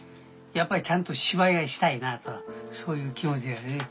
やっぱりちゃんと芝居がしたいなあとそういう気持ちやね。